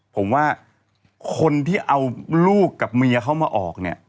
ผมว่าคนที่เอาลูกกับเมียเขามาออกเนี่ย